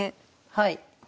はい。